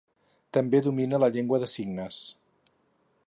També domina la llengua de signes.